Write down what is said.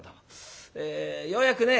ようやくね